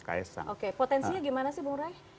oke potensinya gimana sih bu ngeri